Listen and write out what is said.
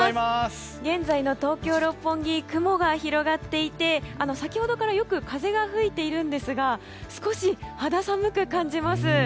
現在の東京・六本木雲が広がっていて先ほどからよく風が吹いているんですが少し肌寒く感じます。